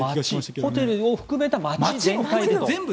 ホテルを含めた街全体です。